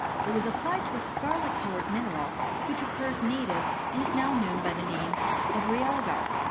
It was applied to a scarlet coloured mineral, which oc curs native, and is now known by the name of realgar.